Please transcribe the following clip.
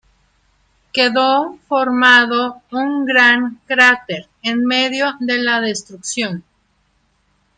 Quedó formado un gran cráter, en medio de la destrucción.